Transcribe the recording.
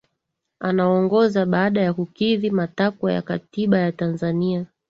Anaongoza baada ya kukidhi matakwa ya Katiba ya Tanzania